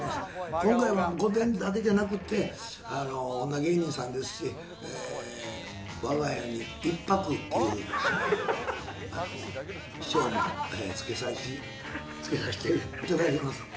今回は御殿だけじゃなくて、女芸人さんですし、わが家に一泊っていう賞もつけさせていただきます。